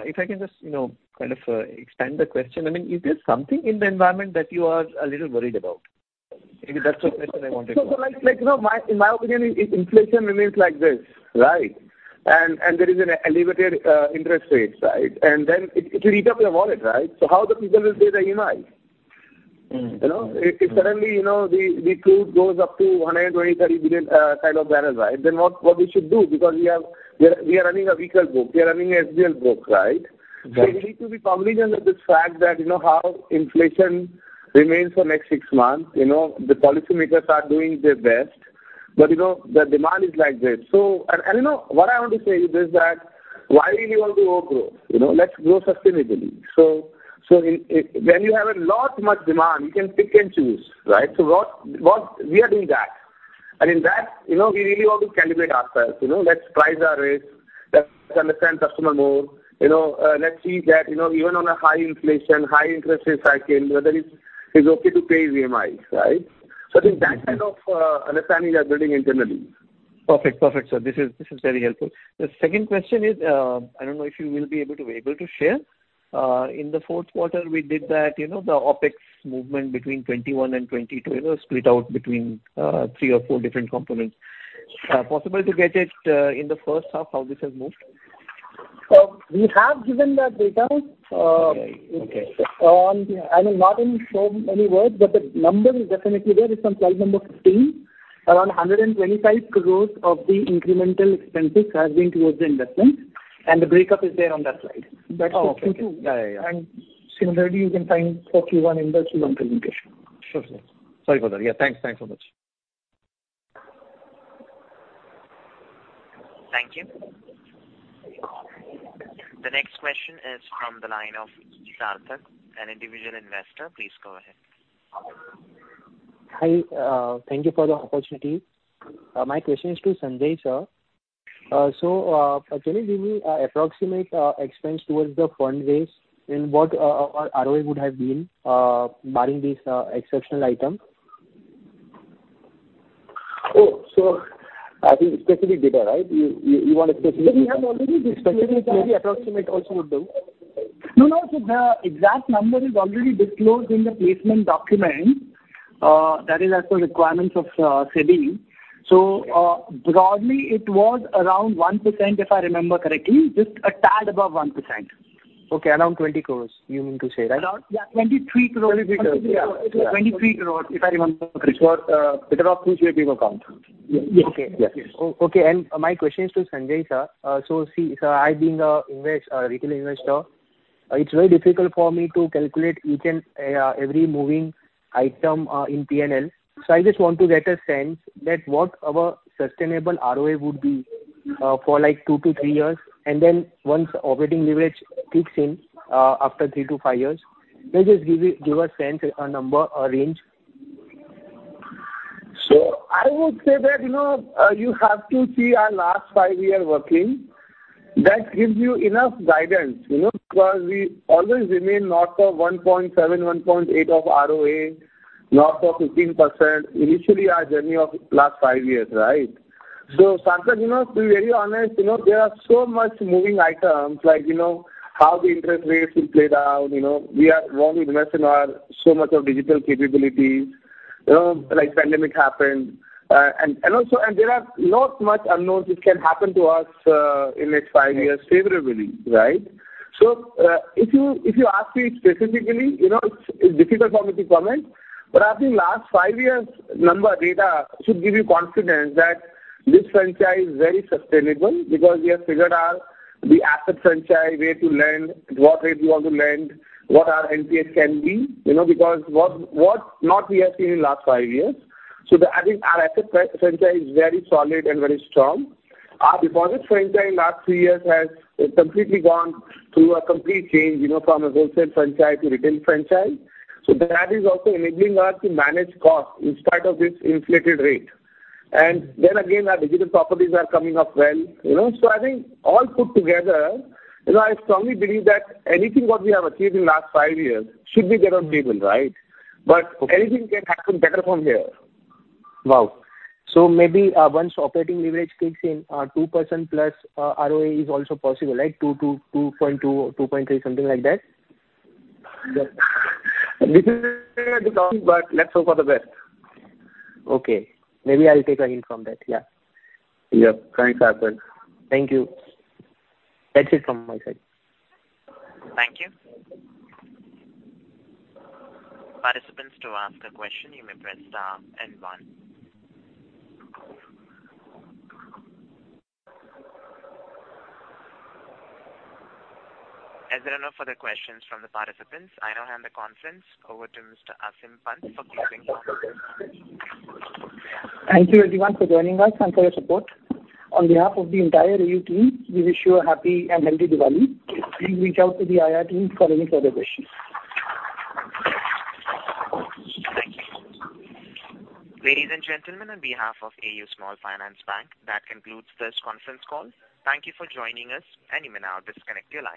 If I can just, you know, kind of, extend the question. I mean, is there something in the environment that you are a little worried about? Maybe that's the question I wanted to ask. Like, you know, in my opinion, if inflation remains like this, right? There is an elevated interest rates, right? Then it will eat up your wallet, right? How the people will pay their EMIs? Mm. You know, if suddenly, you know, the crude goes up to $120-$130 a barrel, right? What should we do? Because we are running a vehicle book. We are running an HBL book, right? Right. We need to be cognizant of the fact that, you know, how inflation remains for next six months. You know, the policymakers are doing their best. You know, the demand is like this. You know what I want to say is that why really want to overgrow? You know, let's grow sustainably. If when you have a lot much demand, you can pick and choose, right? What we are doing that and in that, you know, we really want to calibrate ourselves. You know, let's price our risk. Let's understand customer more. You know, let's see that, you know, even on a high inflation, high interest rate cycle, whether it's okay to pay EMIs, right? In that kind of understanding we are building internally. Perfect, sir. This is very helpful. The second question is, I don't know if you will be able to share. In the fourth quarter we did that, you know, the OpEx movement between 2021 and 2022, you know, split out between three or four different components. Possible to get it in the first half, how this has moved? We have given that data. Okay. I mean, not in so many words, but the number is definitely there. It's on slide number 15. Around 125 crore of the incremental expenses has been towards the investment. The breakup is there on that slide. Oh, okay. Yeah, yeah. Similarly, you can find for Q1 in the Q1 presentation. Sure, sir. Sorry for that. Yeah, thanks. Thanks so much. Thank you. The next question is from the line of Sarthak, an individual investor. Please go ahead. Hi, thank you for the opportunity. My question is to Sanjay, sir. Can you give me approximate expense towards the fundraise and what our ROE would have been barring this exceptional item? Oh, I think specific data, right? You want a specific- We have already disclosed that. Specific, maybe approximate also would do. No, no. The exact number is already disclosed in the placement document. That is as per requirements of SEBI. Broadly, it was around 1%, if I remember correctly. Just a tad above 1%. Okay. Around 20 crores, you mean to say, right? Around, yeah, 23 crore. 23 crores. Yeah. 23 crore, if I remember correctly. It was better off which we have been account. Yes. Okay. Yes. Okay. My question is to Sanjay, sir. So see, sir, I've been a retail investor. It's very difficult for me to calculate each and every moving item in P&L. I just want to get a sense that what our sustainable ROA would be for like 2-3 years. Then once operating leverage kicks in after 3-5 years. Can you just give me a sense, a number, a range? I would say that, you know, you have to see our last five-year working. That gives you enough guidance, you know, because we always remain north of 1.7-1.8 ROA, north of 15%. Initially, our journey of last five years, right? Sarthak, you know, to be very honest, you know, there are so many moving items like, you know, how the interest rates will play out. You know, we are rightly investing so much in our digital capabilities. You know, like, pandemic happened. And also there are lots of unknowns which can happen to us in next five years favorably, right? If you ask me specifically, you know, it's difficult for me to comment. I think last five years' number, data should give you confidence that this franchise is very sustainable because we have figured out the asset franchise, where to lend, what rate we want to lend, what our NPS can be. You know, because what not we have seen in last five years. I think our asset franchise is very solid and very strong. Our deposit franchise in last three years has completely gone through a complete change, you know, from a wholesale franchise to retail franchise. That is also enabling us to manage costs in spite of this inflated rate. Then again, our digital properties are coming up well, you know. I think all put together, you know, I strongly believe that anything what we have achieved in last five years should be gettable, right? Okay. Anything can happen better from here. Wow. Maybe once operating leverage kicks in, 2%+ ROE is also possible, right? 2.2 or 2.3, something like that? This is the count, but let's hope for the best. Okay. Maybe I'll take a hint from that. Yeah. Yeah. Thanks, Sarthak. Thank you. That's it from my side. Thank you. Participants, to ask a question, you may press star then one. As there are no further questions from the participants, I now hand the conference over to Mr. Aseem Pant for closing remarks. Thank you everyone for joining us and for your support. On behalf of the entire AU team, we wish you a happy and healthy Diwali. Please reach out to the IR team for any further questions. Thank you. Ladies and gentlemen, on behalf of AU Small Finance Bank, that concludes this conference call. Thank you for joining us, and you may now disconnect your lines.